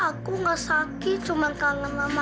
aku gak sakit cuman kangen mama aja